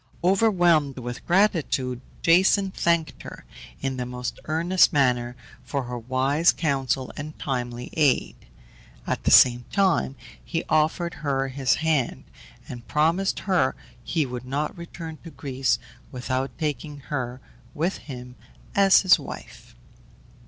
Overwhelmed with gratitude, Jason thanked her, in the most earnest manner, for her wise counsel and timely aid; at the same time he offered her his hand, and promised her he would not return to Greece without taking her with him as his wife.